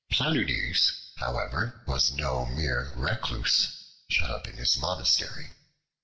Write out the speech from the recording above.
Planudes, however, was no mere recluse, shut up in his monastery.